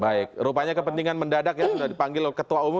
baik rupanya kepentingan mendadak ya sudah dipanggil ketua umum